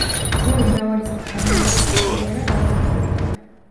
ბოლო მრავალი წლის განმავლობაში სულიერად ავადმყოფია.